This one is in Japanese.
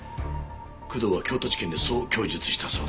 工藤は京都地検でそう供述したそうだ。